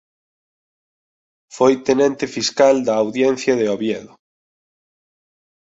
Foi Tenente Fiscal da Audiencia de Oviedo.